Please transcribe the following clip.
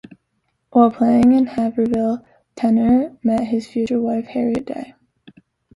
While playing in Haverhill, Tener met his future wife, Harriet Day.